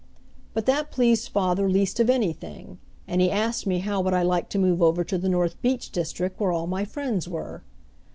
But that pleased father least of anything, and he asked me how would I like to move over to the North Beach district, where all my friends were.